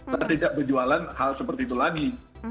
saya tidak berjualan hal seperti itu lagi